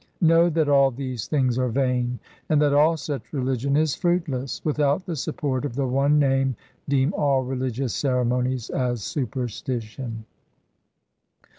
Know that all these things are vain, And that all such religion is fruitless. Without the support of the One Name Deem all religious ceremonies as superstition.